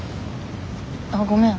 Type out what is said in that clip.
あっごめん。